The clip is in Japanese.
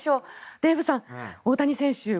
デーブさん、大谷選手